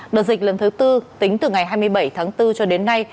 đợt dịch lần thứ tư tính từ ngày hai mươi bảy tháng bốn cho đến nay